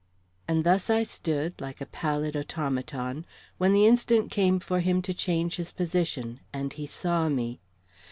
And thus I stood, like a pallid automaton, when the instant came for him to change his position, and he saw me.